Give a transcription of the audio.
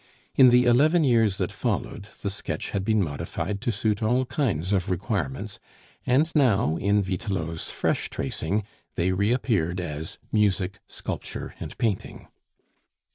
In the eleven years that followed, the sketch had been modified to suit all kinds of requirements, and now in Vitelot's fresh tracing they reappeared as Music, Sculpture, and Painting.